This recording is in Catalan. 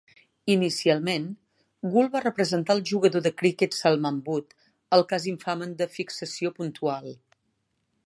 Inicialment, Gul va representar el jugador de criquet Salman Butt al cas infame de fixació puntual.